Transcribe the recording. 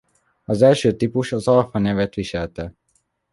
Az első típus az Alpa nevet viselte.